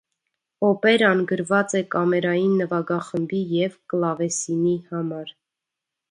Օպերան գրված է կամերային նվագախմբի և կլավեսինի համար։